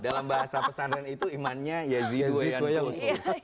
dalam bahasa pesanan itu imannya ya ziduaya khusus